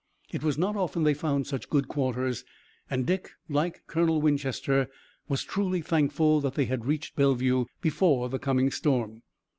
It was not often they found such good quarters, and Dick, like Colonel Winchester, was truly thankful that they had reached Bellevue before the coming storm.